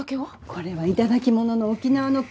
これは頂き物の沖縄の古酒。